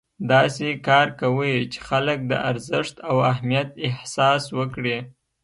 داسې کار کوئ چې خلک د ارزښت او اهمیت احساس وکړي.